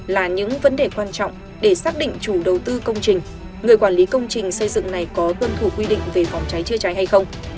là những vấn đề quan trọng để xác định chủ đầu tư công trình người quản lý công trình xây dựng này có tuân thủ quy định về phòng cháy chữa cháy hay không